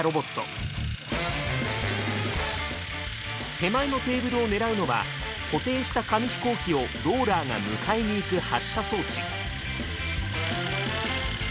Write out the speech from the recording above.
手前のテーブルを狙うのは固定した紙飛行機をローラーが迎えにいく発射装置。